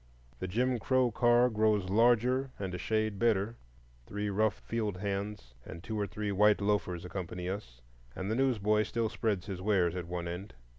The "Jim Crow Car" grows larger and a shade better; three rough field hands and two or three white loafers accompany us, and the newsboy still spreads his wares at one end.